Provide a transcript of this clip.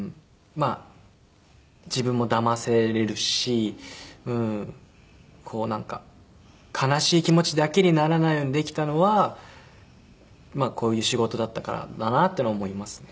まあ自分もだませれるしこうなんか悲しい気持ちだけにならないようにできたのはこういう仕事だったからだなっていうのは思いますね。